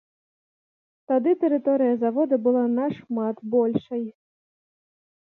Тады тэрыторыя завода была нашмат большай.